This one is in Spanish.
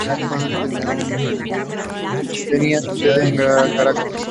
Tenía su sede Caracas.